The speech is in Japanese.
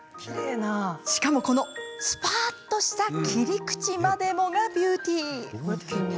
しかもこのスパッとした切り口までもがビューティー。